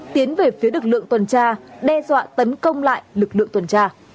tiến về phía lực lượng tuần tra đe dọa tấn công lại lực lượng tuần tra